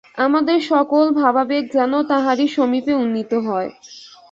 আমাদের সকল ভাবাবেগ যেন তাঁহারই সমীপে উন্নীত হয়।